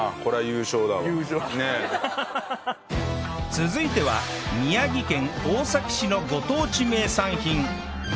続いては宮城県大崎市のご当地名産品